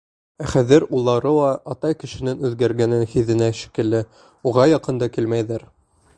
Ә хәҙер улары ла... атай кешенең үҙгәргәнен һиҙенә шикелле, уға яҡын да килмәйҙәр.